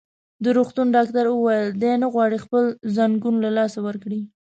د روغتون ډاکټر وویل: دی نه غواړي خپل ځنګون له لاسه ورکړي.